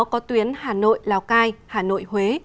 có tuyến hà nội lào cai hà nội huế